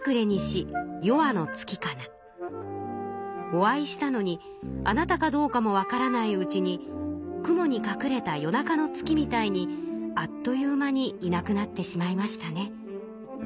「お会いしたのにあなたかどうかもわからないうちに雲にかくれた夜中の月みたいにあっという間にいなくなってしまいましたね」。